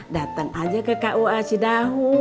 datang aja ke kua cidahu